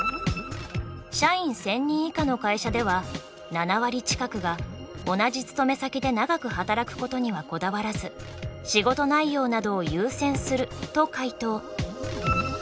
社員１，０００人以下の会社では７割近くが同じ勤め先で長く働くことにはこだわらず仕事内容などを優先すると回答。